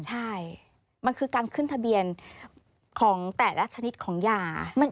ใช่มันคือการขึ้นทะเบียนของแต่ละชนิดของยา